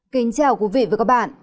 kính chào quý vị và các bạn